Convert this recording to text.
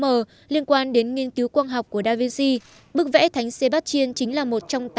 đá liên quan đến nghiên cứu quang học của da vinci bức vẽ thánh sébastien chính là một trong